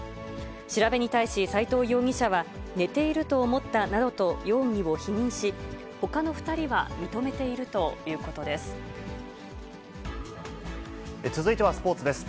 調べに対し、斎藤容疑者は、寝ていると思ったなどと容疑を否認し、ほかの２人続いてはスポーツです。